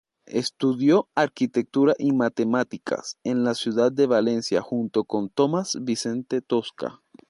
Estudió arquitectura y matemáticas en la ciudad de Valencia junto con Tomás Vicente Tosca.